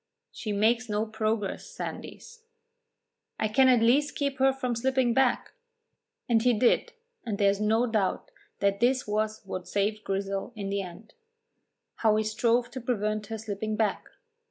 "She makes no progress, Sandys." "I can at least keep her from slipping back." And he did, and there is no doubt that this was what saved Grizel in the end. How he strove to prevent her slipping back!